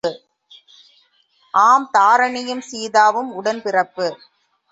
ஆம் தாரிணியும் சீதாவும் உடன்பிறப்பு!